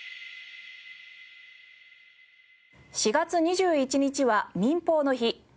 ４月２１日は民放の日。